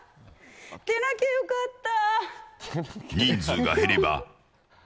出なきゃよかった。